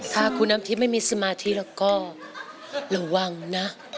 ถ้าคุณน้ำทิพย์ไม่มีสมาธิแล้วก็ระวังนะ